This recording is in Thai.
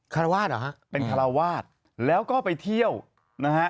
คาราวาสเหรอฮะเป็นคาราวาสแล้วก็ไปเที่ยวนะฮะ